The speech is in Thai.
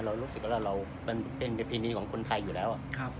เรารู้สึกว่าเรามันเป็นของคนไทยอยู่แล้วครับ